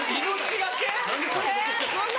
そんな？